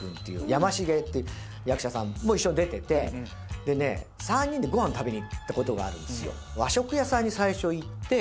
ヤマシゲって役者さんも一緒に出てて３人でごはん食べに行ったことがあるんですよ。